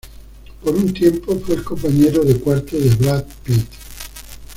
Por un tiempo, fue el compañero de cuarto de Brad Pitt.